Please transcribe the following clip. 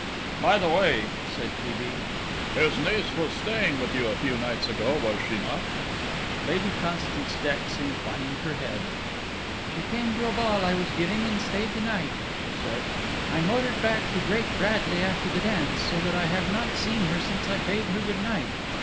"By the way," said T. B., "his niece was staying with you a few nights ago, was she not?" Lady Constance Dex inclined her head. "She came to a ball I was giving, and stayed the night," she said. "I motored back to Great Bradley after the dance, so that I have not seen her since I bade her good night.